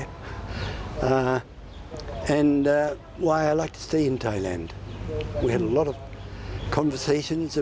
แต่กับมีความกับพลังที่ของฉันมันคือออสเตรดียะ